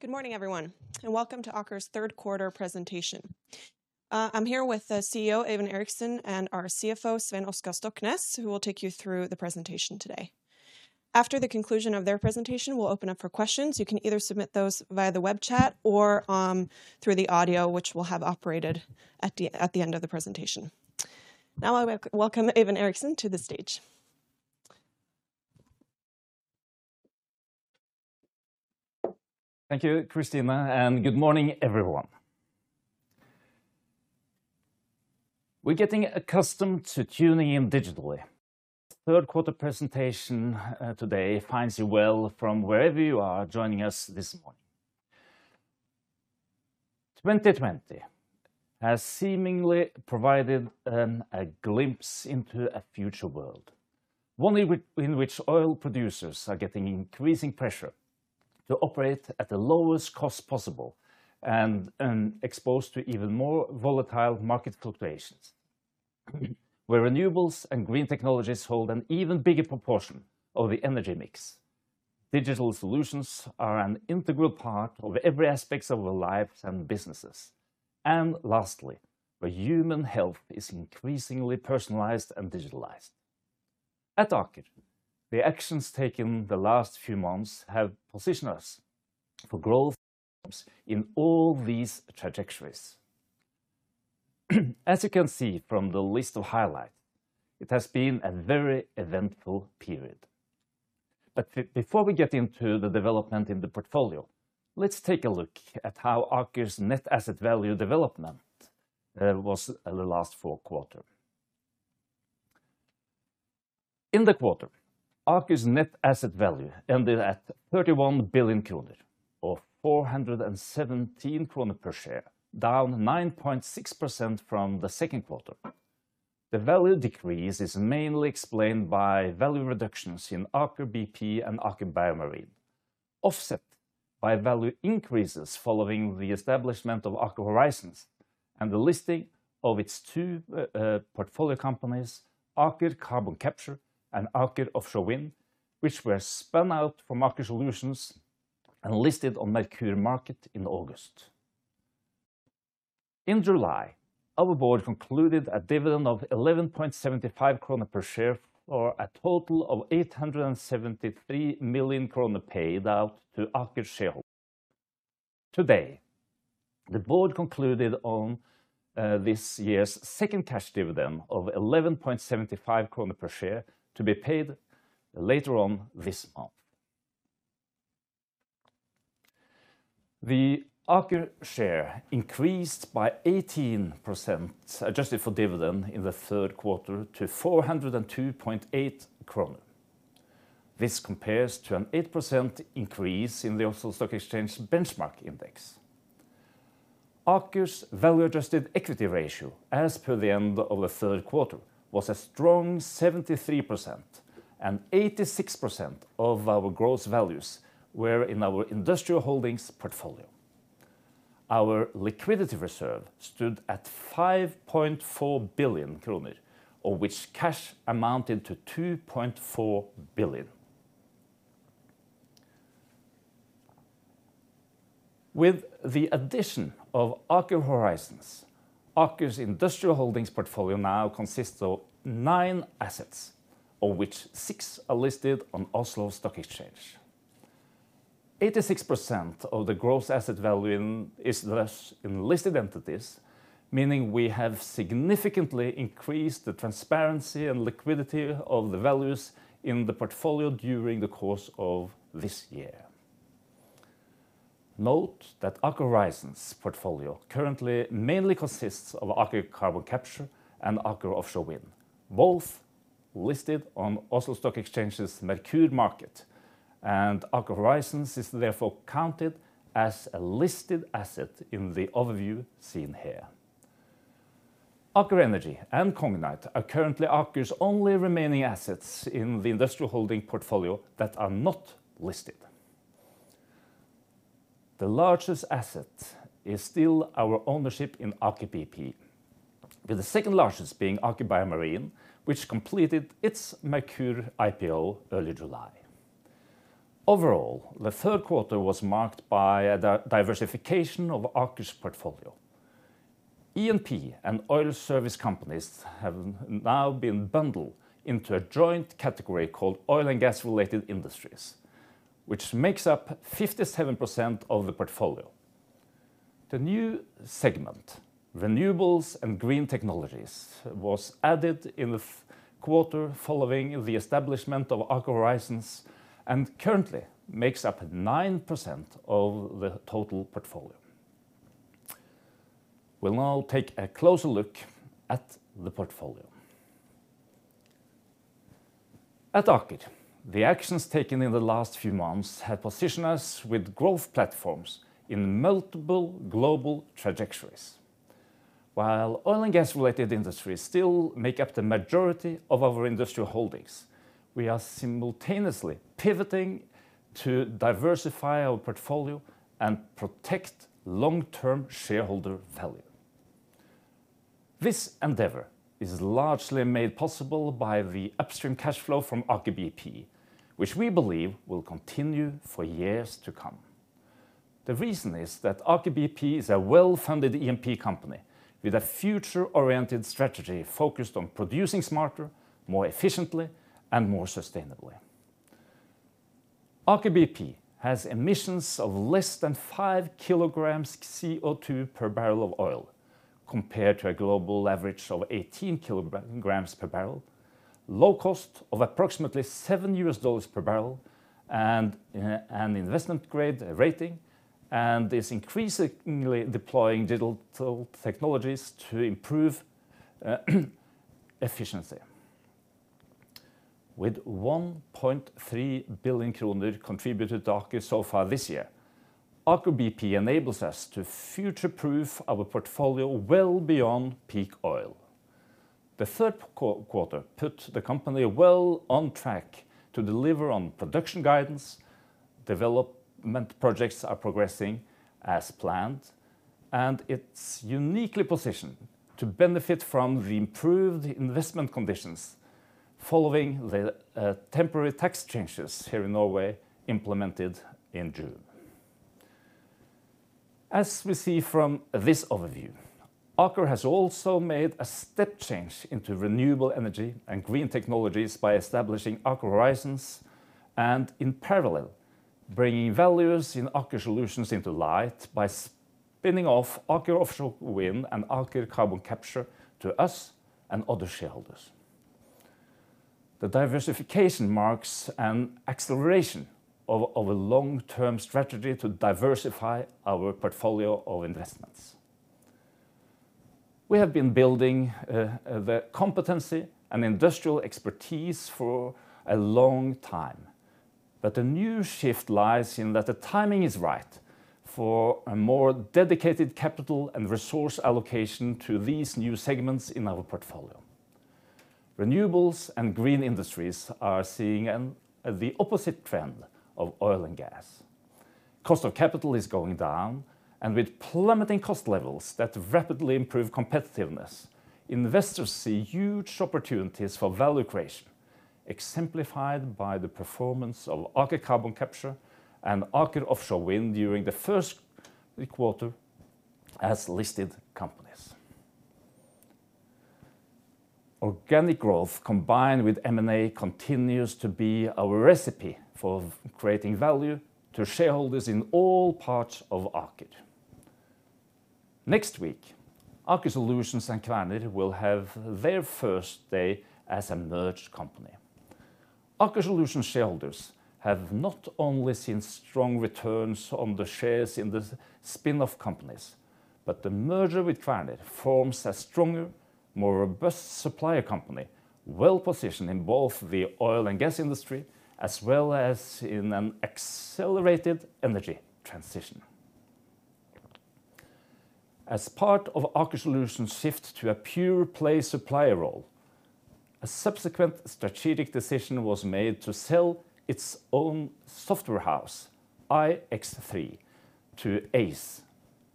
Good morning everyone, and welcome to Aker's third quarter presentation. I'm here with the CEO, Øyvind Eriksen, and our CFO, Svein Oskar Stoknes, who will take you through the presentation today. After the conclusion of their presentation, we'll open up for questions. You can either submit those via the web chat or through the audio, which we'll have operated at the end of the presentation. I welcome Øyvind Eriksen to the stage. Thank you, Christina, and good morning everyone. We're getting accustomed to tuning in digitally. Third quarter presentation today finds you well from wherever you are joining us this morning. 2020 has seemingly provided a glimpse into a future world, one in which oil producers are getting increasing pressure to operate at the lowest cost possible and exposed to even more volatile market fluctuations. Where renewables and green technologies hold an even bigger proportion of the energy mix. Digital solutions are an integral part of every aspects of our lives and businesses. Lastly, where human health is increasingly personalized and digitalized. At Aker, the actions taken the last few months have positioned us for growth in all these trajectories. As you can see from the list of highlight, it has been a very eventful period. Before we get into the development in the portfolio, let's take a look at how Aker's net asset value development was the last four quarter. In the quarter, Aker's net asset value ended at 31 billion kroner, or 417 kroner per share, down 9.6% from the second quarter. The value decrease is mainly explained by value reductions in Aker BP and Aker BioMarine, offset by value increases following the establishment of Aker Horizons and the listing of its two portfolio companies, Aker Carbon Capture and Aker Offshore Wind, which were spun out from Aker Solutions and listed on Merkur Market in August. In July, our board concluded a dividend of 11.75 kroner per share, or a total of 873 million kroner paid out to Aker shareholders. Today, the Board concluded on this year's second cash dividend of 11.75 per share to be paid later on this month. The Aker share increased by 18%, adjusted for dividend in the third quarter to 402.8 kroner. This compares to an 8% increase in the Oslo Stock Exchange benchmark index. Aker's value-adjusted equity ratio, as per the end of the third quarter, was a strong 73% and 86% of our gross values were in our industrial holdings portfolio. Our liquidity reserve stood at 5.4 billion kroner of which cash amounted to 2.4 billion. With the addition of Aker Horizons, Aker's industrial holdings portfolio now consists of nine assets, of which six are listed on Oslo Stock Exchange. 86% of the gross asset value is thus in listed entities, meaning we have significantly increased the transparency and liquidity of the values in the portfolio during the course of this year. Note that Aker Horizons portfolio currently mainly consists of Aker Carbon Capture and Aker Offshore Wind, both listed on Oslo Stock Exchange's Merkur Market and Aker Horizons is therefore counted as a listed asset in the overview seen here. Aker Energy and Cognite are currently Aker's only remaining assets in the industrial holding portfolio that are not listed. The largest asset is still our ownership in Aker BP, with the second largest being Aker BioMarine, which completed its Merkur IPO early July. Overall, the third quarter was marked by a diversification of Aker's portfolio. E&P and oil service companies have now been bundled into a joint category called oil and gas-related industries, which makes up 57% of the portfolio. The new segment, renewables and green technologies, was added in the quarter following the establishment of Aker Horizons and currently makes up 9% of the total portfolio. We'll now take a closer look at the portfolio. At Aker, the actions taken in the last few months have positioned us with growth platforms in multiple global trajectories. While oil and gas-related industries still make up the majority of our industrial holdings, we are simultaneously pivoting to diversify our portfolio and protect long-term shareholder value. This endeavor is largely made possible by the upstream cash flow from Aker BP, which we believe will continue for years to come. The reason is that Aker BP is a well-funded E&P company with a future-oriented strategy focused on producing smarter, more efficiently, and more sustainably. Aker BP has emissions of less than 5 kg CO2 per barrel of oil, compared to a global average of 18 kg/bbl, low cost of approximately $7 per barrel, and an investment-grade rating, and is increasingly deploying digital technologies to improve efficiency. With 1.3 billion kroner contributed to Aker so far this year, Aker BP enables us to future-proof our portfolio well beyond peak oil. The third quarter put the company well on track to deliver on production guidance, development projects are progressing as planned, and it's uniquely positioned to benefit from the improved investment conditions following the temporary tax changes here in Norway implemented in June. As we see from this overview, Aker has also made a step change into renewable energy and green technologies by establishing Aker Horizons and, in parallel, bringing values in Aker Solutions into light by spinning off Aker Offshore Wind and Aker Carbon Capture to us and other shareholders. The diversification marks an acceleration of our long-term strategy to diversify our portfolio of investments. We have been building the competency and industrial expertise for a long time, but the new shift lies in that the timing is right for a more dedicated capital and resource allocation to these new segments in our portfolio. Renewables and green industries are seeing the opposite trend of oil and gas. Cost of capital is going down, and with plummeting cost levels that rapidly improve competitiveness, investors see huge opportunities for value creation, exemplified by the performance of Aker Carbon Capture and Aker Offshore Wind during the first quarter as listed companies. Organic growth, combined with M&A, continues to be our recipe for creating value to shareholders in all parts of Aker. Next week, Aker Solutions and Kværner will have their first day as a merged company. Aker Solutions shareholders have not only seen strong returns on the shares in the spin-off companies, but the merger with Kværner forms a stronger, more robust supplier company, well-positioned in both the oil and gas industry, as well as in an accelerated energy transition. As part of Aker Solutions' shift to a pure play supplier role, a subsequent strategic decision was made to sell its own software house, ix3, to Aize,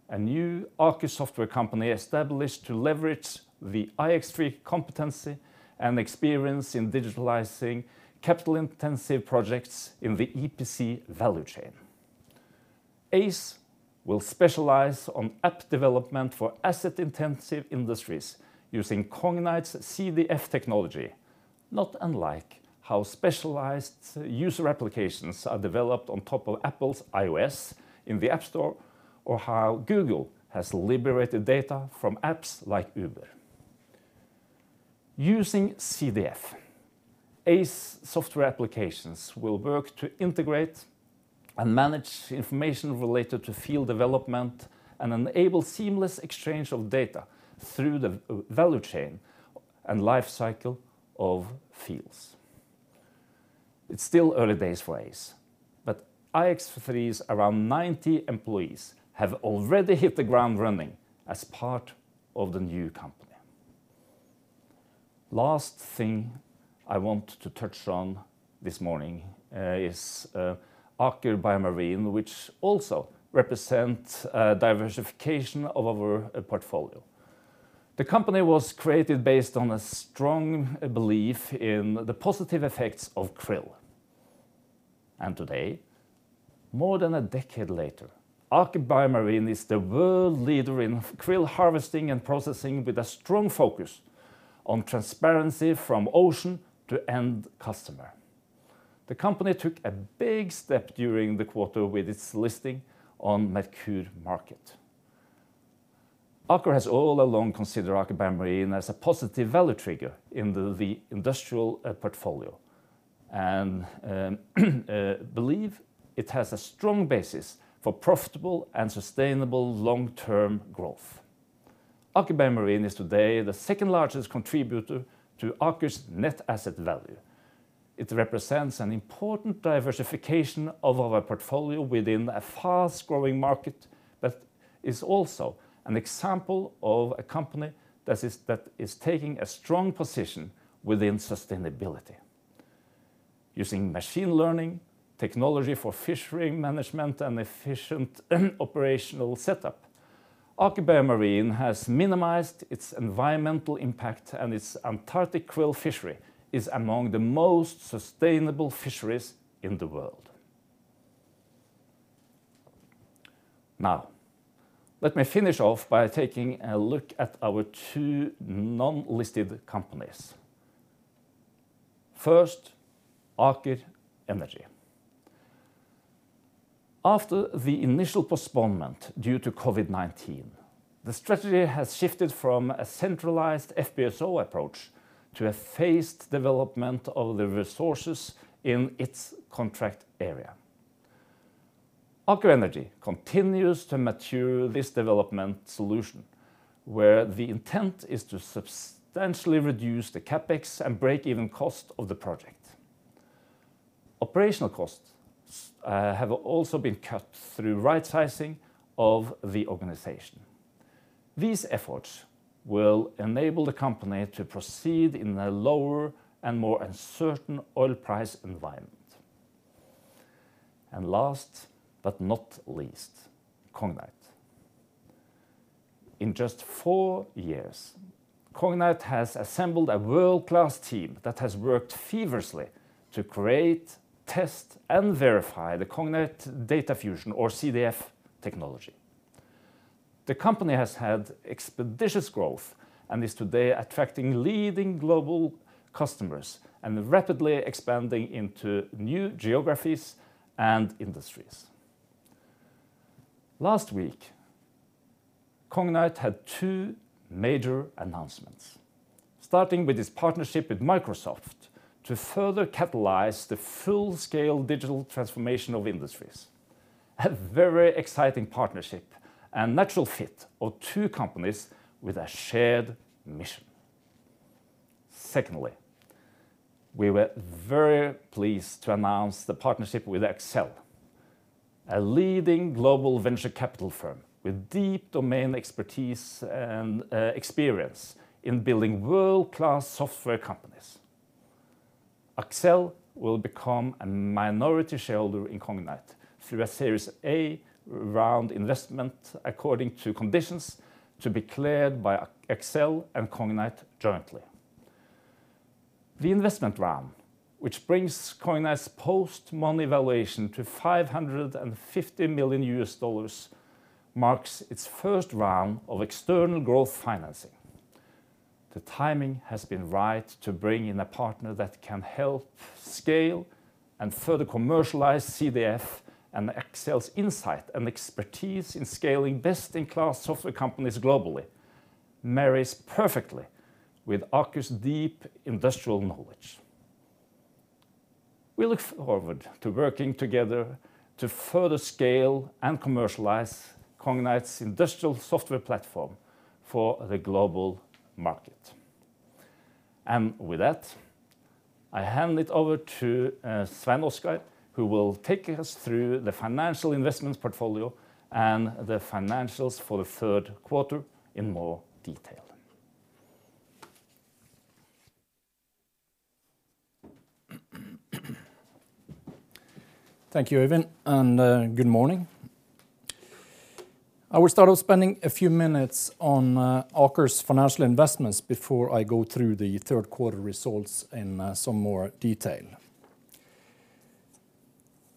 a new Aker software company established to leverage the ix3 competency and experience in digitalizing capital-intensive projects in the EPC value chain. Aize will specialize on app development for asset-intensive industries using Cognite's CDF technology, not unlike how specialized user applications are developed on top of Apple's iOS in the App Store, or how Google has liberated data from apps like Uber. Using CDF, Aize software applications will work to integrate and manage information related to field development and enable seamless exchange of data through the value chain and life cycle of fields. It's still early days for Aize, but ix3's around 90 employees have already hit the ground running as part of the new company. Last thing I want to touch on this morning is Aker BioMarine, which also represents diversification of our portfolio. The company was created based on a strong belief in the positive effects of krill. Today, more than a decade later, Aker BioMarine is the world leader in krill harvesting and processing with a strong focus on transparency from ocean to end customer. The company took a big step during the quarter with its listing on Merkur Market. Aker has all along considered Aker BioMarine as a positive value trigger in the industrial portfolio and believe it has a strong basis for profitable and sustainable long-term growth. Aker BioMarine is today the second-largest contributor to Aker's net asset value. It represents an important diversification of our portfolio within a fast-growing market that is also an example of a company that is taking a strong position within sustainability. Using machine learning, technology for fishery management, and efficient operational setup, Aker BioMarine has minimized its environmental impact, and its Antarctic krill fishery is among the most sustainable fisheries in the world. Now, let me finish off by taking a look at our two non-listed companies. First, Aker Energy. After the initial postponement due to COVID-19, the strategy has shifted from a centralized FPSO approach to a phased development of the resources in its contract area. Aker Energy continues to mature this development solution, where the intent is to substantially reduce the CapEx and break-even cost of the project. Operational costs have also been cut through right-sizing of the organization. These efforts will enable the company to proceed in a lower and more uncertain oil price environment. Last but not least, Cognite. In just four years, Cognite has assembled a world-class team that has worked feverishly to create, test, and verify the Cognite Data Fusion, or CDF technology. The company has had expeditious growth and is today attracting leading global customers and rapidly expanding into new geographies and industries. Last week, Cognite had two major announcements, starting with its partnership with Microsoft to further catalyze the full-scale digital transformation of industries. A very exciting partnership and natural fit of two companies with a shared mission. Secondly, we were very pleased to announce the partnership with Accel, a leading global venture capital firm with deep domain expertise and experience in building world-class software companies. Accel will become a minority shareholder in Cognite through a Series A round investment according to conditions to be cleared by Accel and Cognite jointly. The investment round, which brings Cognite's post-money valuation to $550 million, marks its first round of external growth financing. The timing has been right to bring in a partner that can help scale and further commercialize CDF, and Accel's insight and expertise in scaling best-in-class software companies globally marries perfectly with Aker's deep industrial knowledge. We look forward to working together to further scale and commercialize Cognite's industrial software platform for the global market. With that, I hand it over to Svein Oskar, who will take us through the financial investments portfolio and the financials for the third quarter in more detail. Thank you, Øyvind. Good morning. I will start off spending a few minutes on Aker's financial investments before I go through the third quarter results in some more detail.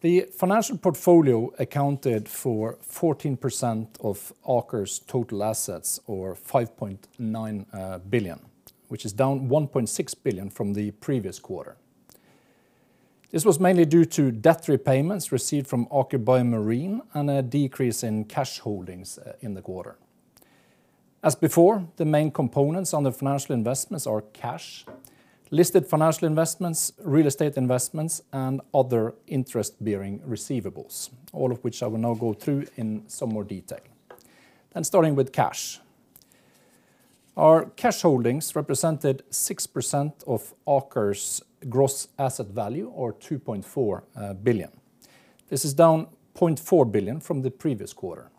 The financial portfolio accounted for 14% of Aker's total assets or 5.9 billion, which is down 1.6 billion from the previous quarter. This was mainly due to debt repayments received from Aker BioMarine and a decrease in cash holdings in the quarter. As before, the main components on the financial investments are cash, listed financial investments, real estate investments, and other interest-bearing receivables, all of which I will now go through in some more detail. Starting with cash. Our cash holdings represented 6% of Aker's gross asset value or 2.4 billion. This is down 0.4 billion from the previous quarter.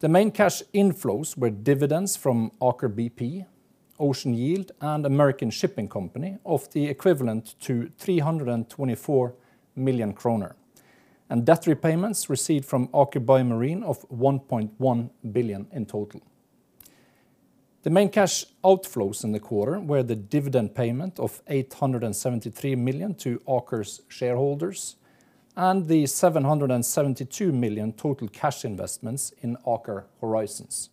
The main cash inflows were dividends from Aker BP, Ocean Yield, and American Shipping Company of the equivalent to 324 million kroner, and debt repayments received from Aker BioMarine of 1.1 billion in total. The main cash outflows in the quarter were the dividend payment of 873 million to Aker's shareholders and the 772 million total cash investments in Aker Horizons.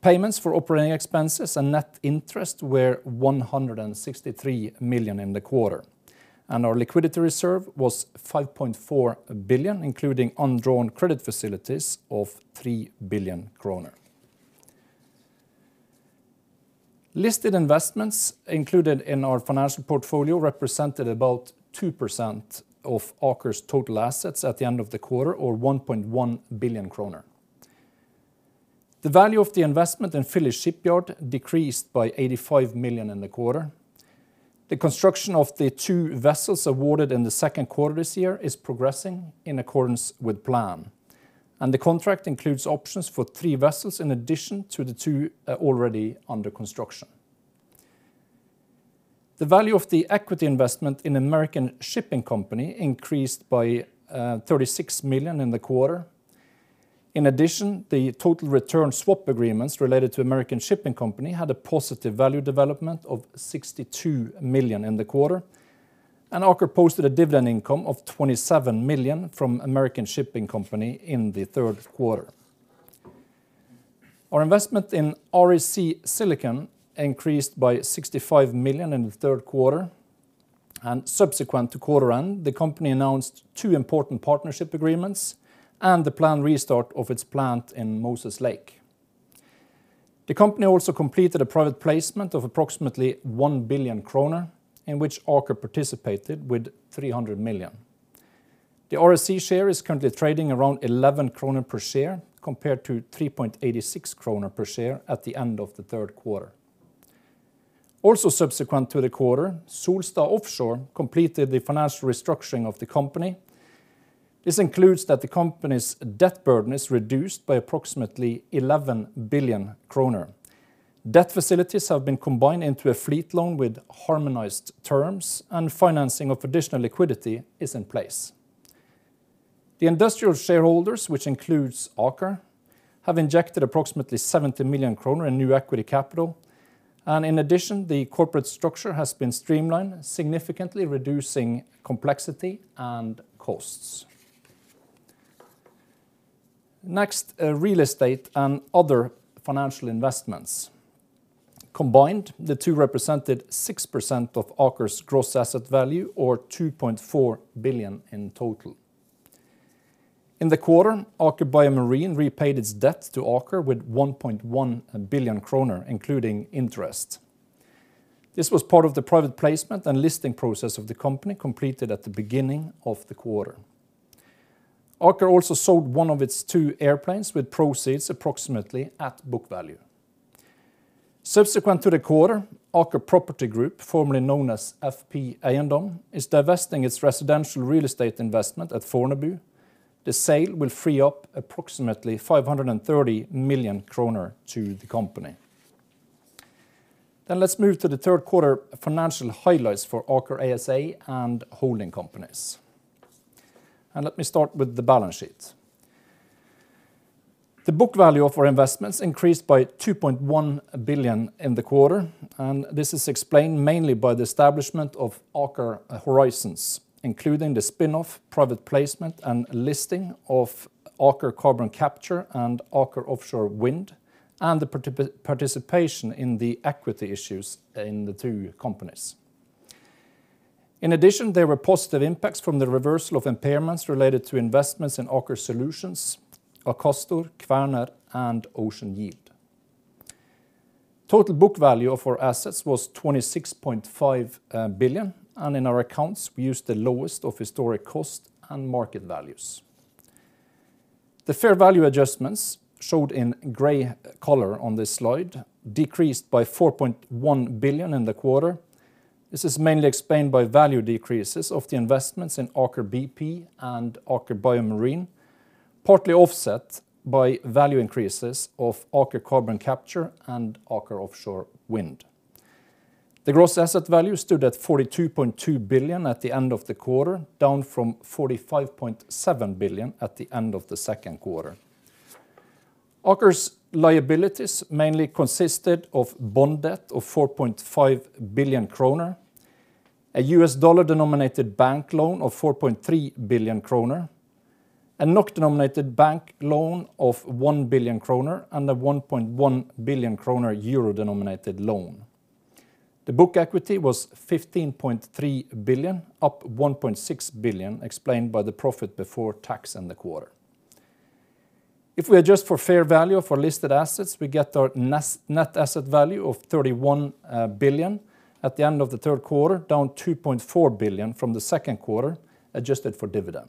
Payments for operating expenses and net interest were 163 million in the quarter. Our liquidity reserve was 5.4 billion, including undrawn credit facilities of 3 billion kroner. Listed investments included in our financial portfolio represented about 2% of Aker's total assets at the end of the quarter or 1.1 billion kroner. The value of the investment in Philly Shipyard decreased by 85 million in the quarter. The construction of the two vessels awarded in the second quarter this year is progressing in accordance with plan. The contract includes options for three vessels in addition to the two already under construction. The value of the equity investment in American Shipping Company increased by 36 million in the quarter. In addition, the total return swap agreements related to American Shipping Company had a positive value development of 62 million in the quarter. Aker posted a dividend income of 27 million from American Shipping Company in the third quarter. Our investment in REC Silicon increased by 65 million in the third quarter. Subsequent to quarter end, the company announced two important partnership agreements and the planned restart of its plant in Moses Lake. The company also completed a private placement of approximately 1 billion kroner, in which Aker participated with 300 million. The REC share is currently trading around 11 kroner per share, compared to 3.86 kroner per share at the end of the third quarter. Subsequent to the quarter, Solstad Offshore completed the financial restructuring of the company. This includes that the company's debt burden is reduced by approximately 11 billion kroner. Debt facilities have been combined into a fleet loan with harmonized terms, and financing of additional liquidity is in place. The industrial shareholders, which includes Aker, have injected approximately 70 million kroner in new equity capital, and in addition, the corporate structure has been streamlined, significantly reducing complexity and costs. Real estate and other financial investments. Combined, the two represented 6% of Aker's gross asset value, or 2.4 billion in total. In the quarter, Aker BioMarine repaid its debt to Aker with 1.1 billion kroner, including interest. This was part of the private placement and listing process of the company completed at the beginning of the quarter. Aker also sold one of its two airplanes with proceeds approximately at book value. Subsequent to the quarter, Aker Property Group, formerly known as FP Eiendom, is divesting its residential real estate investment at Fornebu. The sale will free up approximately 530 million kroner to the company. Let's move to the third quarter financial highlights for Aker ASA and holding companies. Let me start with the balance sheet. The book value of our investments increased by 2.1 billion in the quarter, and this is explained mainly by the establishment of Aker Horizons, including the spin-off, private placement, and listing of Aker Carbon Capture and Aker Offshore Wind, and the participation in the equity issues in the two companies. In addition, there were positive impacts from the reversal of impairments related to investments in Aker Solutions, Akastor, Kværner, and Ocean Yield. Total book value of our assets was 26.5 billion, and in our accounts, we used the lowest of historic cost and market values. The fair value adjustments, showed in gray color on this slide, decreased by 4.1 billion in the quarter. This is mainly explained by value decreases of the investments in Aker BP and Aker BioMarine, partly offset by value increases of Aker Carbon Capture and Aker Offshore Wind. The gross asset value stood at 42.2 billion at the end of the quarter, down from 45.7 billion at the end of the second quarter. Aker's liabilities mainly consisted of bond debt of 4.5 billion kroner, a U.S. dollar-denominated bank loan of 4.3 billion kroner, a NOK-denominated bank loan of 1 billion kroner, and a 1.1 billion kroner euro-denominated loan. The book equity was 15.3 billion, up 1.6 billion, explained by the profit before tax in the quarter. If we adjust for fair value of our listed assets, we get our net asset value of 31 billion at the end of the third quarter, down 2.4 billion from the second quarter, adjusted for dividend.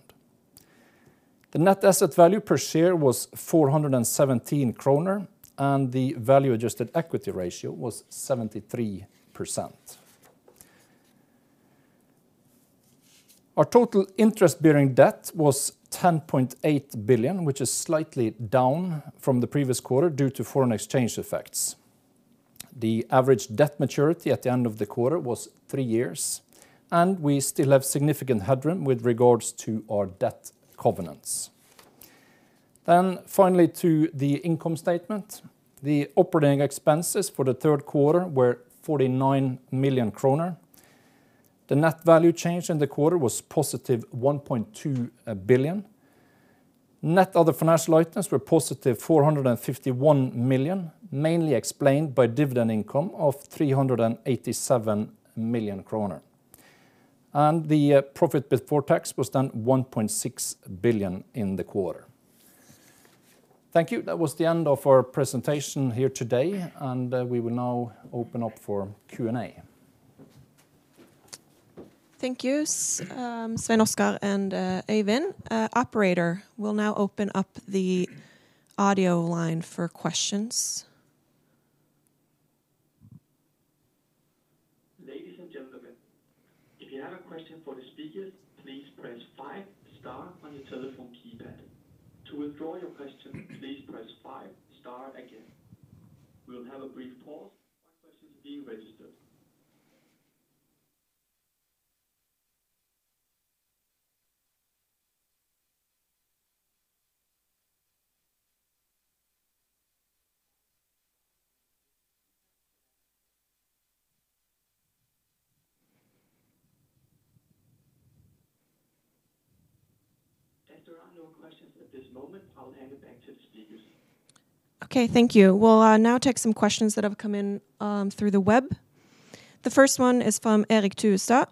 The net asset value per share was 417 kroner, and the value-adjusted equity ratio was 73%. Our total interest-bearing debt was 10.8 billion, which is slightly down from the previous quarter due to foreign exchange effects. The average debt maturity at the end of the quarter was three years, and we still have significant headroom with regards to our debt covenants. Finally, to the income statement. The operating expenses for the third quarter were 49 million kroner. The net value change in the quarter was +1.2 billion. Net other financial items were +451 million, mainly explained by dividend income of 387 million kroner. The profit before tax was then 1.6 billion in the quarter. Thank you. That was the end of our presentation here today, and we will now open up for Q&A. Thank you, Svein Oskar and Øyvind. Operator, we'll now open up the audio line for questions. Ladies and gentlemen if you have questions for the speakers, please press five star on your telephone keypad. To withdraw your question, please press five star again. We'll have a brief pause for questions to be registered. As there are no questions at this moment, I'll hand it back to the speakers. Okay, thank you. We'll now take some questions that have come in through the web. The first one is from [Erik Tusta]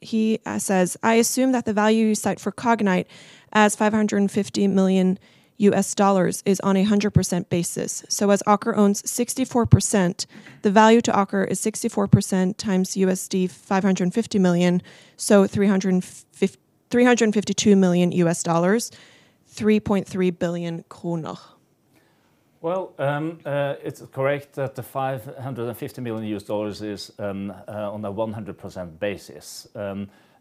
He says, "I assume that the value you cite for Cognite as $550 million is on 100% basis. As Aker owns 64%, the value to Aker is 64% times $550 million, so $352 million, NOK 3.3 billion. Well, it's correct that the $550 million is on a 100% basis.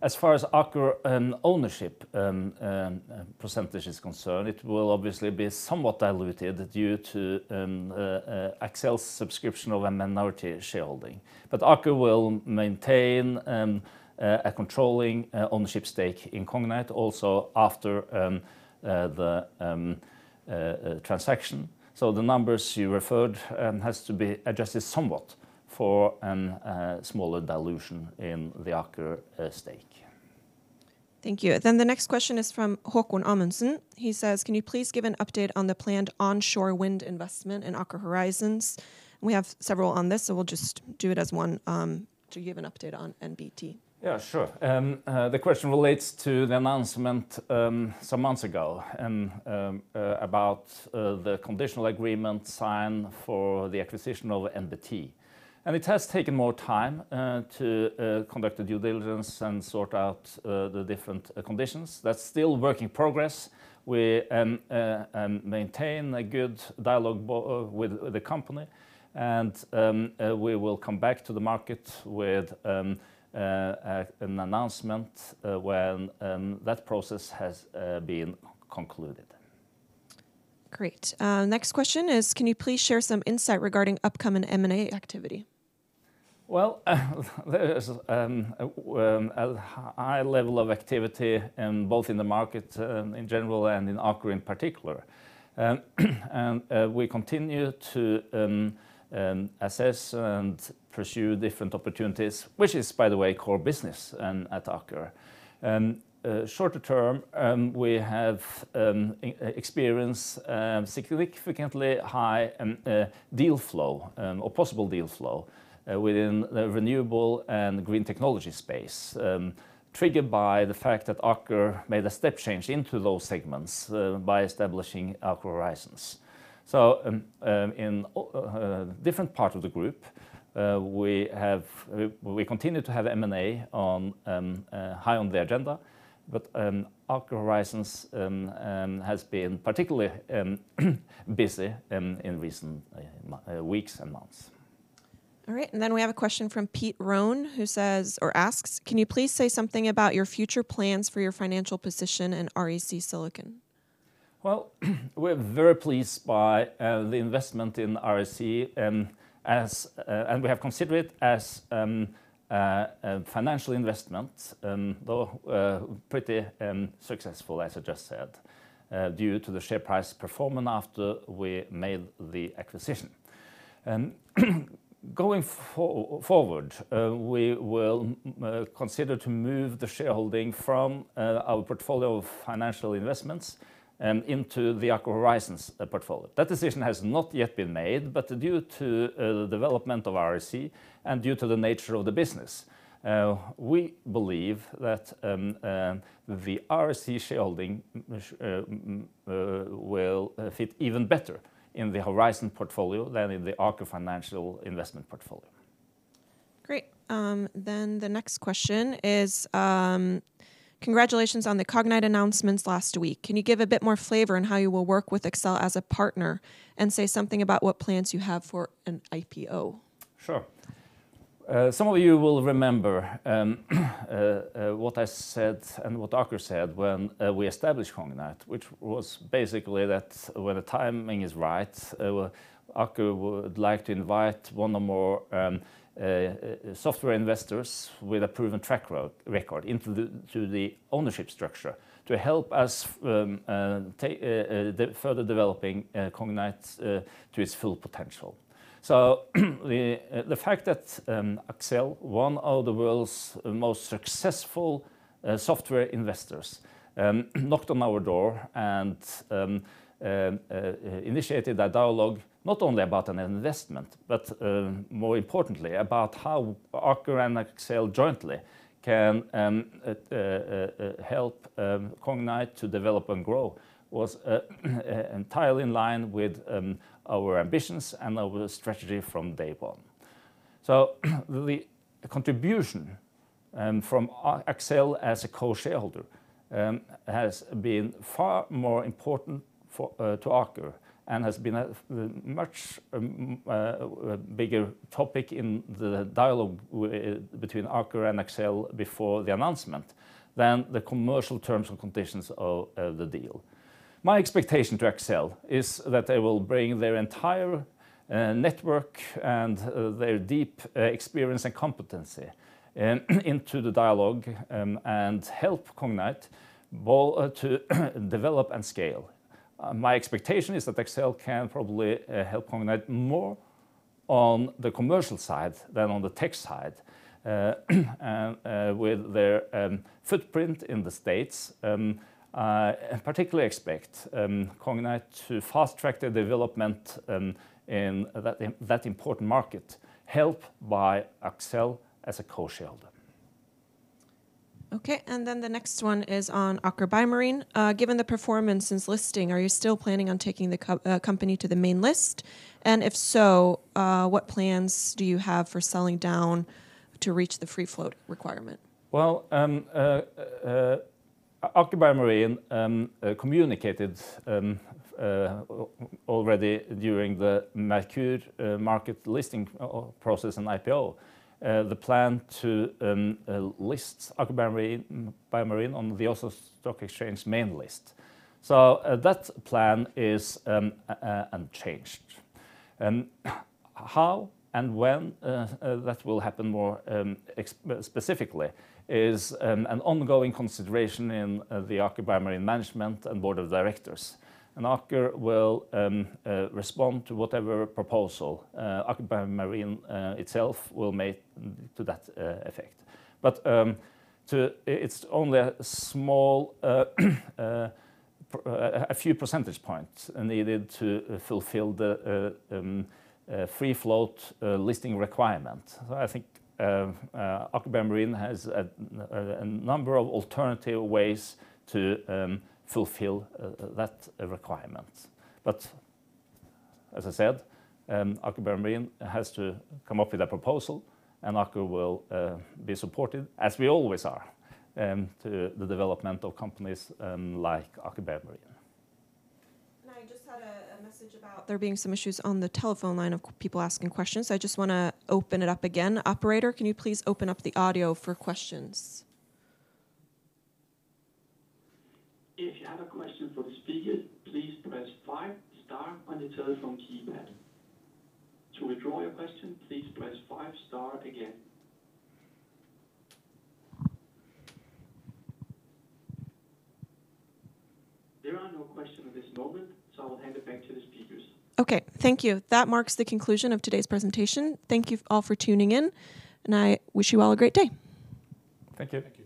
As far as Aker ownership percentage is concerned, it will obviously be somewhat diluted due to Accel's subscription of a minority shareholding. Aker will maintain a controlling ownership stake in Cognite also after the transaction. The numbers you referred has to be adjusted somewhat for a smaller dilution in the Aker stake. Thank you. The next question is from Haakon Amundsen. He says, "Can you please give an update on the planned onshore wind investment in Aker Horizons?" We have several on this, we'll just do it as one. Do you have an update on NBT? Yeah, sure. The question relates to the announcement some months ago about the conditional agreement signed for the acquisition of NBT. It has taken more time to conduct the due diligence and sort out the different conditions. That's still work in progress. We maintain a good dialogue with the company and we will come back to the market with an announcement when that process has been concluded. Great. Next question is, can you please share some insight regarding upcoming M&A activity? Well, there is a high level of activity both in the market in general and in Aker in particular. We continue to assess and pursue different opportunities, which is by the way core business at Aker. Shorter term, we have experienced significantly high deal flow, or possible deal flow, within the renewable and green technology space, triggered by the fact that Aker made a step change into those segments by establishing Aker Horizons. In a different part of the group, we continue to have M&A high on the agenda, but Aker Horizons has been particularly busy in recent weeks and months. All right, we have a question from Pete Roan who says or asks, "Can you please say something about your future plans for your financial position in REC Silicon? We're very pleased by the investment in REC, and we have considered it as a financial investment, though pretty successful, as I just said, due to the share price performance after we made the acquisition. Going forward, we will consider to move the shareholding from our portfolio of financial investments into the Aker Horizons portfolio. That decision has not yet been made, but due to the development of REC and due to the nature of the business, we believe that the REC shareholding will fit even better in the Horizons portfolio than in the Aker financial investment portfolio. Great. The next question is, "Congratulations on the Cognite announcements last week. Can you give a bit more flavor on how you will work with Accel as a partner, and say something about what plans you have for an IPO? Sure. Some of you will remember what I said and what Aker said when we established Cognite, which was basically that when the timing is right, Aker would like to invite one or more software investors with a proven track record into the ownership structure to help us further developing Cognite to its full potential. The fact that Accel, one of the world's most successful software investors, knocked on our door and initiated a dialogue not only about an investment, but more importantly about how Aker and Accel jointly can help Cognite to develop and grow, was entirely in line with our ambitions and our strategy from day one. The contribution from Accel as a co-shareholder has been far more important to Aker and has been a much bigger topic in the dialogue between Aker and Accel before the announcement than the commercial terms and conditions of the deal. My expectation to Accel is that they will bring their entire network and their deep experience and competency into the dialogue and help Cognite to develop and scale. My expectation is that Accel can probably help Cognite more on the commercial side than on the tech side with their footprint in the U.S. I particularly expect Cognite to fast-track their development in that important market helped by Accel as a co-shareholder. Okay, the next one is on Aker BioMarine. Given the performance since listing, are you still planning on taking the company to the main list? If so, what plans do you have for selling down to reach the free float requirement? Aker BioMarine communicated already during the Merkur Market listing process and IPO, the plan to list Aker BioMarine on the Oslo Stock Exchange main list. That plan is unchanged. How and when that will happen more specifically is an ongoing consideration in the Aker BioMarine management and Board of Directors. Aker will respond to whatever proposal Aker BioMarine itself will make to that effect. It's only a few percentage points needed to fulfill the free float listing requirement. I think Aker BioMarine has a number of alternative ways to fulfill that requirement. As I said, Aker BioMarine has to come up with a proposal, and Aker will be supportive, as we always are, to the development of companies like Aker BioMarine. I just had a message about there being some issues on the telephone line of people asking questions. I just want to open it up again. Operator, can you please open up the audio for questions? If you have a question for the speakers, please press five star on your telephone keypad. To withdraw your question, please press five star again. There are no questions at this moment, so I will hand it back to the speakers. Okay, thank you. That marks the conclusion of today's presentation. Thank you all for tuning in, and I wish you all a great day. Thank you. Thank you.